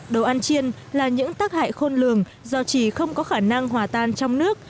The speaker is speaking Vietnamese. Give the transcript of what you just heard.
đồ ăn chiên là những tác hại khôn lường do chỉ không có khả năng hòa tan trong nước